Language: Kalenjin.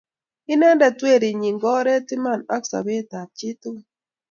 Inendet werinyi ko oret, iman ako sobet ab chit tukul